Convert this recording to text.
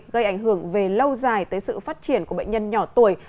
gây ảnh hưởng về lâu dài tới sự phát triển của bệnh nhân nhỏ tuổi